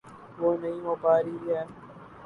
وہ نہیں ہو پا رہی۔